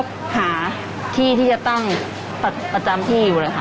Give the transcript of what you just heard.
ก็หาที่ที่จะตั้งประจำที่อยู่เลยค่ะ